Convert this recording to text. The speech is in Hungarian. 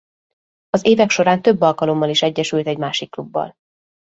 Az évek során több alkalommal is egyesült egy másik klubbal.